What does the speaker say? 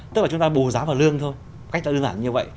tức là chúng ta bù giá vào lương thôi cách đơn giản như vậy